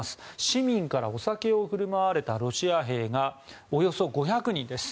市民からお酒を振る舞われたロシア兵がおよそ５００人です。